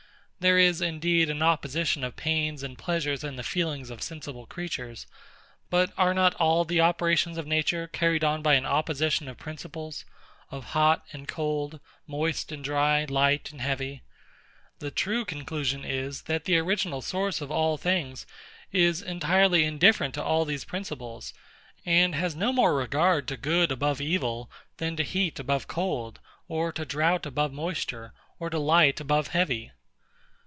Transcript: There is indeed an opposition of pains and pleasures in the feelings of sensible creatures: but are not all the operations of Nature carried on by an opposition of principles, of hot and cold, moist and dry, light and heavy? The true conclusion is, that the original Source of all things is entirely indifferent to all these principles; and has no more regard to good above ill, than to heat above cold, or to drought above moisture, or to light above heavy.